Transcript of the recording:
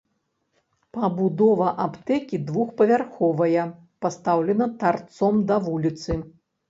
Пабудова аптэкі двухпавярховая, пастаўлена тарцом да вуліцы.